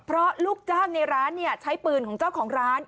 เพราะลูกจ้างในร้านใช้ปืนของเจ้าของร้าน